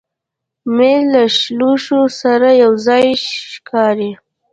مېز له لوښو سره یو ځای ښکاري.